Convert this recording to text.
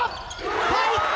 入った！